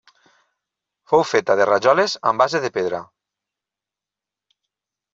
Fou feta de rajoles amb base de pedra.